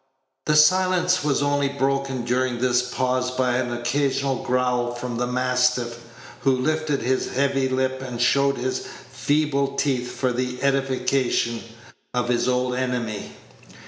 The silence was only broken during this pause by an occasional growl from the mastiff, who lifted his heavy lip and showed his feeble teeth for the edification of his old enemy.